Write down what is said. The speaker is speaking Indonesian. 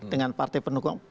dengan partai pendukung